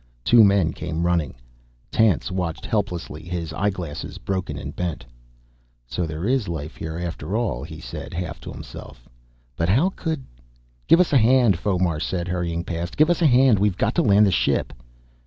Two men came running. Tance watched helplessly, his eyeglasses broken and bent. "So there is life here, after all," he said, half to himself. "But how could " "Give us a hand," Fomar said, hurrying past. "Give us a hand, we've got to land the ship!"